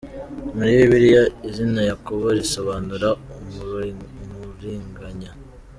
Muri Bibiliya izina Yakobo risobanura “umuriganya”.